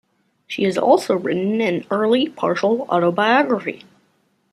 She has also written an early partial autobiography.